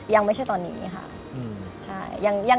ยังไม่ใช่ตอนนี้ค่ะ